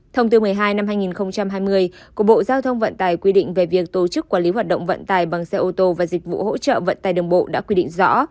thông tư một mươi hai năm hai nghìn hai mươi của bộ giao thông vận tài quy định về việc tổ chức quản lý hoạt động vận tải bằng xe ô tô và dịch vụ hỗ trợ vận tài đường bộ đã quy định rõ